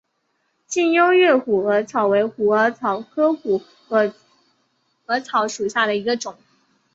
近优越虎耳草为虎耳草科虎耳草属下的一个种。